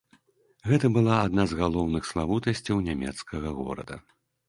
Гэта была адна з галоўных славутасцяў нямецкага горада.